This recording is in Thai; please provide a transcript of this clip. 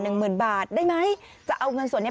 หมื่นบาทได้ไหมจะเอาเงินส่วนเนี้ย